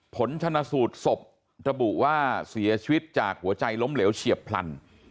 ผลชนะสูตรศพระบุว่าเสียชีวิตจากหัวใจล้มเหลวเฉียบพลัน